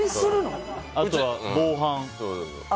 あとは、防犯。